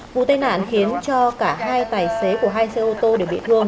vụ tai nạn khiến cho cả hai tài xế của hai xe ô tô đều bị thương